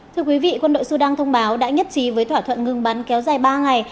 thưa quý vị quân đội sudan thông báo đã nhất trí với thỏa thuận ngừng bắn kéo dài ba ngày